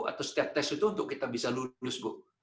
atau setiap tes itu untuk kita bisa lulus bu